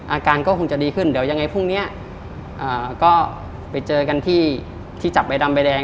อาการก็คงจะดีขึ้นเดี๋ยวยังไงพรุ่งนี้ก็ไปเจอกันที่ที่จับใบดำใบแดง